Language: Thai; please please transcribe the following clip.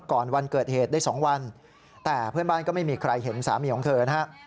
วันเกิดเหตุได้๒วันแต่เพื่อนบ้านก็ไม่มีใครเห็นสามีของเธอนะฮะ